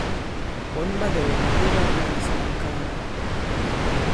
Ɓɔ̌n ɓa dɔ̀lɔ̀bìbi ɓa bwě mǐs ma ŋ̀kaala.